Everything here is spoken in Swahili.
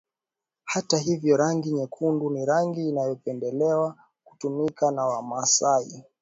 Hata hivyo rangi nyekundu ni rangi inayopendelewa kutumika na wamasai